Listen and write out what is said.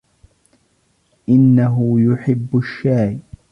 انه يحب الشاي.